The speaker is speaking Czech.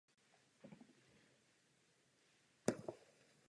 V Kutné Hoře působil až do svého úmrtí.